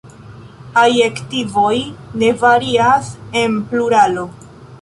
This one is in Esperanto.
Adjektivoj ne varias en pluralo.